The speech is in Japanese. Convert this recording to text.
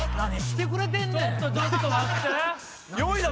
ちょっと待って！